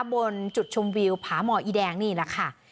บนจุดชมวิวผาหมออีแดงนี่แหละค่ะ